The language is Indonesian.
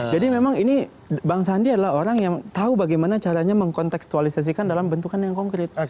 jadi memang ini bang sandi adalah orang yang tahu bagaimana caranya mengkontekstualisasikan dalam bentukan yang konkret